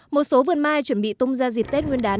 một số vườn mai chuẩn bị tung ra dịp tết nguyên đán